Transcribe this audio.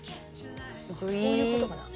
こういうことかな？